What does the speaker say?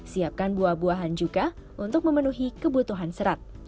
siapkan buah buahan juga untuk memenuhi kebutuhan serat